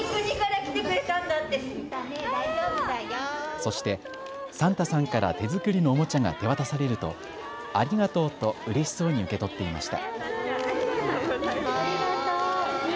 そして、サンタさんから手作りのおもちゃが手渡されるとありがとうとうれしそうに受け取っていました。